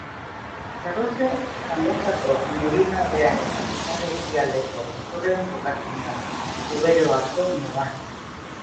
Uztarroze Zangozako merindadearen ipar-ekialdeko muturrean kokatzen da, Zuberoako mugan.